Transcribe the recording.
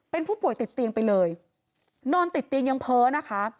เป็นผู้ป่วยติดเตียงไปเลยนอนติดเตียงยังเพ้อนะคะ